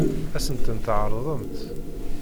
Ad sen-tent-tɛeṛḍemt?